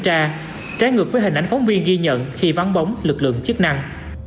tra ngược với hình ảnh phóng viên ghi nhận khi vắng bóng lực lượng chức năng